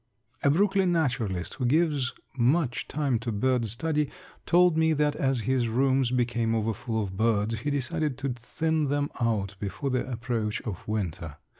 A Brooklyn naturalist who gives much time to bird study told me that as his rooms became overfull of birds he decided to thin them out before the approach of winter.